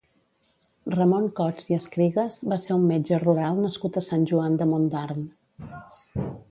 Ramon Cots i Escrigas va ser un metge rural nascut a Sant Joan de Montdarn.